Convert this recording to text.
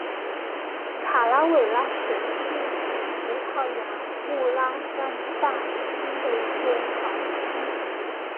卡拉韦拉什是葡萄牙布拉干萨区的一个堂区。